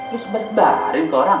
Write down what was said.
lo sebarin ke orang